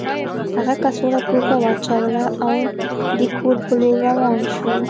هغه کڅوړه په اوږه واچوله او د کور په لور روان شو